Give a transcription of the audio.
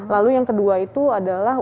lalu yang kedua itu adalah